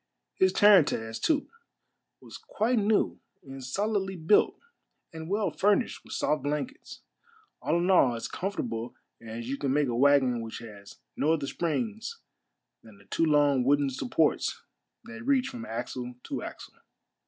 His tarantass, too, was quite new and solidly built and well 12 ,A MARVELLOUS UNDERGROUND JOURNEY furnished with soft blankets, all in all as comfortable as you can make a wagon which has no other springs than the two long wooden supports that reach from axle to axle.